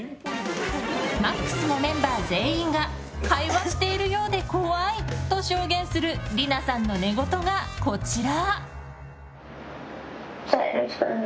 ＭＡＸのメンバー全員が会話してるようで怖いと証言するＬＩＮＡさんの寝言がこちら。